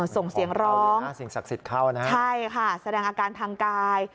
ส่งเสียงร้องใช่ค่ะแสดงอาการทางกาย